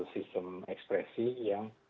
sistem ekspresi yang